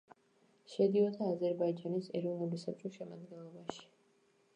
შედიოდა აზერბაიჯანის ეროვნული საბჭოს შემადგენლობაში.